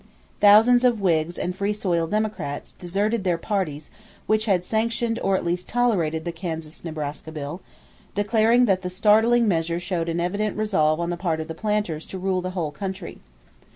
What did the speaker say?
Thousands of Whigs and Free soil Democrats deserted their parties which had sanctioned or at least tolerated the Kansas Nebraska Bill, declaring that the startling measure showed an evident resolve on the part of the planters to rule the whole country.